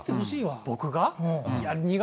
僕が？